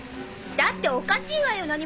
だっておかしいわよ